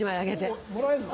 おぉもらえんの？